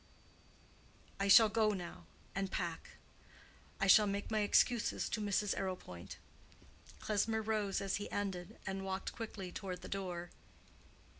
I shall go now and pack. I shall make my excuses to Mrs. Arrowpoint." Klesmer rose as he ended, and walked quickly toward the door.